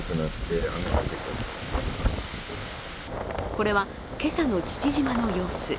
これは、今朝の父島の様子。